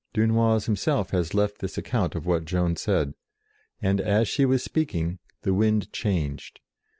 Dunois himself has left this account of what Joan said, and, as she was speaking, the wind changed.